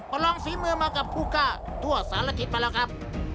ลองฝีมือมากับผู้กล้าทั่วสารทิศมาแล้วครับ